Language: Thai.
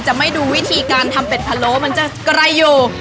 ไม่ดูวิธีการทำเป็ดพะโล้มันจะไกลอยู่